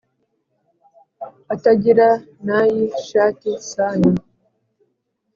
atagira nayi shati sana!